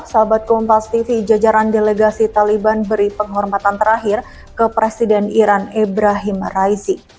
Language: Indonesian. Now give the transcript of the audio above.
sahabat kompas tv jajaran delegasi taliban beri penghormatan terakhir ke presiden iran ibrahim raizi